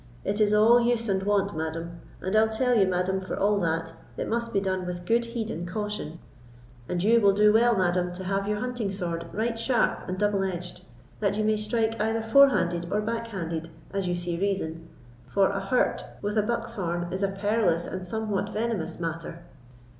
It is all use and wont, madam; and I'll tell you, madam, for all that, it must be done with good heed and caution; and you will do well, madam, to have your hunting sword right sharp and double edged, that you may strike either fore handed or back handed, as you see reason, for a hurt with a buck's horn is a perilous and somewhat venomous matter."